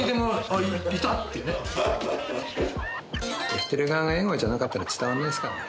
やってる側が笑顔じゃなかったら伝わらないですからね。